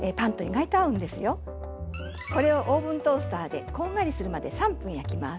これをオーブントースターでこんがりするまで３分焼きます。